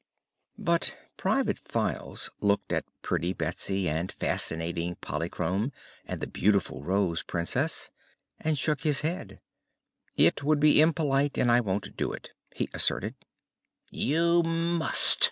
But Private Files looked at pretty Betsy and fascinating Polychrome and the beautiful Rose Princess and shook his head. "It would be impolite, and I won't do it," he asserted. "You must!"